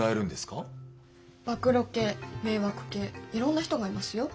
暴露系迷惑系いろんな人がいますよ。